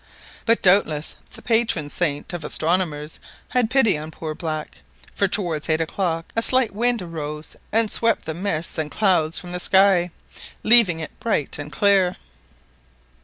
But doubtless the patron saint of astronomers had pity on poor Black, for towards eight o'clock a slight wind arose and swept the mists and clouds from the sky, leaving it bright and clear!